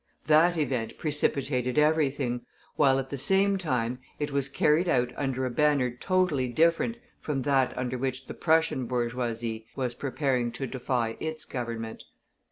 That event precipitated everything, while at the same time it was carried out under a banner totally different from that under which the Prussian bourgeoisie was preparing to defy its Government.